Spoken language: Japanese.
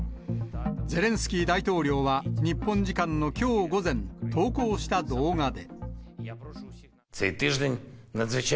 ゼレンスキー大統領は、日本時間のきょう午前、投稿した動画で。